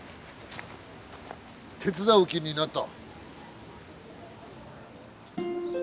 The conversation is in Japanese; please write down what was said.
手伝う気になった？